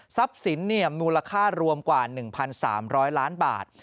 สินมูลค่ารวมกว่า๑๓๐๐ล้านบาท